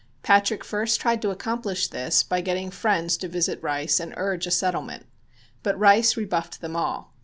Patrick first tried to accomplish this by getting friends to visit Rice and urge a settlement. But Rice rebuffed them all.